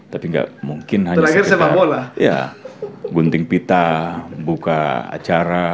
tapi nggak mungkin hanya sekedar gunting pita buka acara